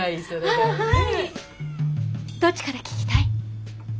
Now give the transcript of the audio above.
どっちから聞きたい？